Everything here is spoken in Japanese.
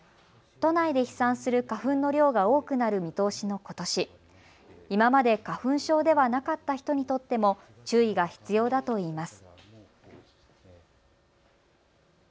都内で飛散する花粉の量が多くなる見通しのことし、今まで花粉症ではなかった人にとっても注意が必要だといいます。